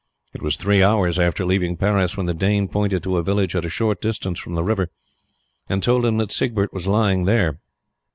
It was three hours after leaving Paris when the Dane pointed to a village at a short distance from the river and told him that Siegbert was lying there.